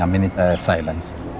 cho cả hai phía